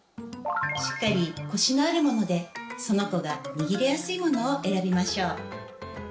しっかりコシのあるものでその子が握りやすいものを選びましょう。